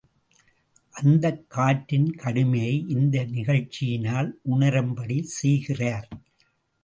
அந்தக் காற்றின் கடுமையை இந்த நிகழ்ச்சியினால் உணரும்படி செய்கிறார்.